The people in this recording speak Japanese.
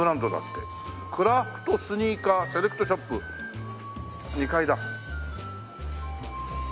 「クラフトスニーカーセレクトショップ」２階だ。